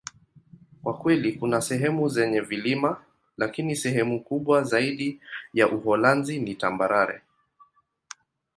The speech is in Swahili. Kwa kweli, kuna sehemu zenye vilima, lakini sehemu kubwa zaidi ya Uholanzi ni tambarare.